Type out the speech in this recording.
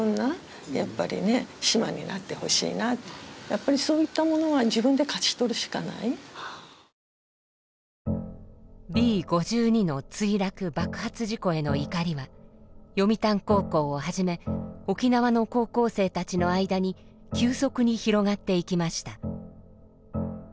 やっぱりそういったものはＢ５２の墜落・爆発事故への怒りは読谷高校をはじめ沖縄の高校生たちの間に急速に広がっていきました。